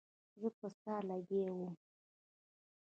زه په څه لګيا وم.